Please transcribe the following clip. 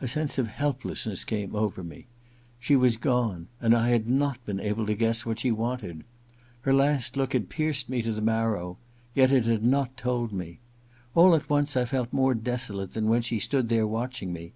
A sense of helplessness came over me. She was gone, and I had not been able to guess what she wanted. Her last look had pierced me to the marrow ; and yet it had not told me ! All at once, 1 felt more desolate than when she had stood there watching me.